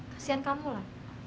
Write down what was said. kasian kamu lah